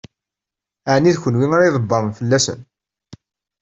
Ɛni d kenwi ara ydebbṛen fell-asen?